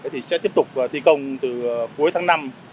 thì sẽ tiếp tục thi công từ cuối tháng năm